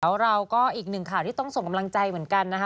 แล้วเราก็อีกหนึ่งข่าวที่ต้องส่งกำลังใจเหมือนกันนะคะ